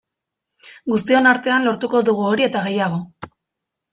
Guztion artean lortuko dugu hori eta gehiago.